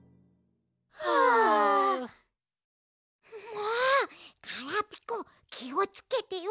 もうガラピコきをつけてよ。